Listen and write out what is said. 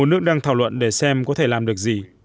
một mươi một nước đang thảo luận để xem có thể làm được gì